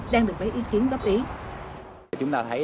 đang được bấy ý kiến góp ý